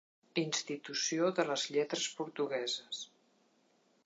Institució de les Lletres Portugueses.